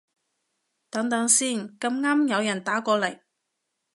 等等先，咁啱有人打過來